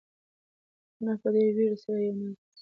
انا په ډېرې وېرې سره یو ناڅاپه چیغه کړه.